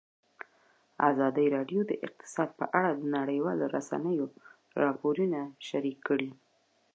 ازادي راډیو د اقتصاد په اړه د نړیوالو رسنیو راپورونه شریک کړي.